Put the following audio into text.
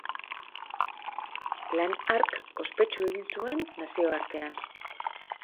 Lan hark ospetsu egin zuen nazioartean.